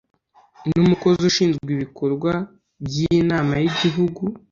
n umukozi ushinzwe ibikorwa by inama y igihugu